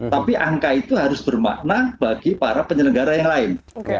tapi angka itu harus bermakna bagi para penyelenggara yang lain